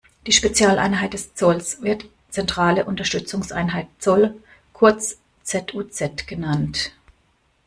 Die Spezialeinheit des Zolls wird zentrale Unterstützungseinheit Zoll, kurz Z-U-Z, genannt.